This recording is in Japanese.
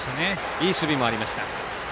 いい守備もありました。